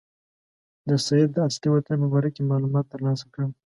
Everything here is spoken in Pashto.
د سید د اصلي وطن په باره کې معلومات ترلاسه کړم.